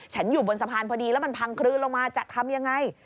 อยู่บนสะพานพอดีแล้วมันพังคลืนลงมาจะทำยังไง